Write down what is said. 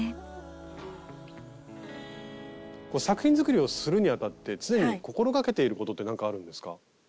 作品作りをするにあたって常に心掛けていることって何かあるんですか？